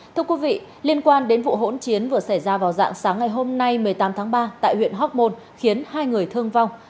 thưa quý vị liên quan đến vụ hỗn chiến vừa xảy ra vào dạng sáng ngày hôm nay một mươi tám tháng ba tại huyện hóc môn khiến hai người thương vong